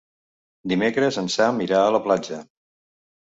Dimecres en Sam irà a la platja.